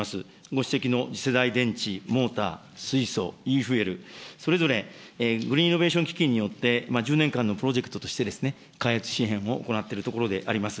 ご指摘のせだい電池、モーター、水素、イーフューエル、それぞれグリーンイノベーション基金によって、１０年間のプロジェクトとして、開発支援を行っているところであります。